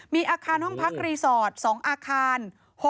มีอาคารห้องพักรีสอร์ท๒อาคาร